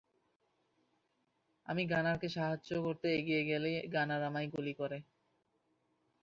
আমি গানারকে সাহায্য করতে এগিয়ে গেলেই গানার আমায় গুলি করে।